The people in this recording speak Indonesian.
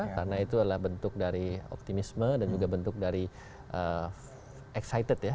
karena itu adalah bentuk dari optimisme dan juga bentuk dari excited ya